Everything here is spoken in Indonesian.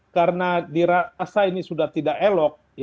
karena dirasa ini sudah tidak elok